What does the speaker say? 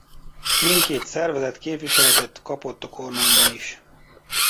Mindkét szervezet képviseletet kapott a kormányban is.